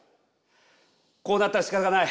こうなったらしかたがない。